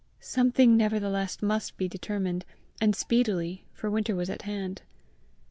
Something nevertheless must be determined, and speedily, for winter was at hand.